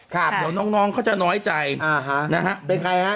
ข้าพเดี๋ยวน้องเขาจะน้อยใจนะฮะเป็นใครครับ